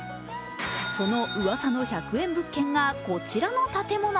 そのうわさの１００円物件がこちらの建物。